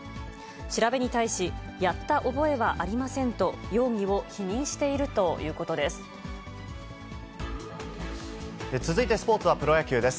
調べに対し、やった覚えはありませんと、容疑を否認しているとい続いてスポーツはプロ野球です。